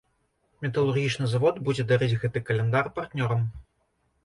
Металургічны завод будзе дарыць гэты каляндар партнёрам.